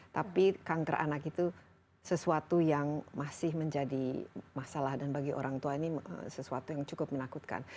tapi kanker anak itu sesuatu yang masih menjadi masalah dan bagi orang tua ini sesuatu yang cukup menakutkan